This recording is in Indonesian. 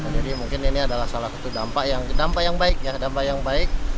jadi mungkin ini adalah salah satu dampak yang baik ya dampak yang baik